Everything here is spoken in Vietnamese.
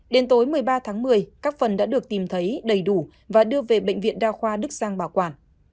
đến tối một mươi ba tháng một mươi các phần đã được tìm thấy đầy đủ và đưa về bệnh viện đa khoa đức giang bảo quản